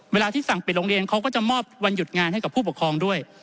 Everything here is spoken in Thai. เวลาที่สั่งปิดโรงเรียนเขาก็จะมอบวันหยุดงานให้กับผู้ปกครองด้วย